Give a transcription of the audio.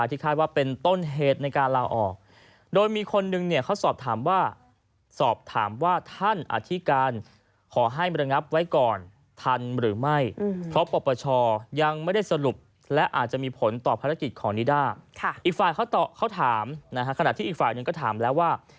อีกฝ่ายเขาถามขณะที่อีกฝ่ายหนึ่งก็ถามแล้วว่า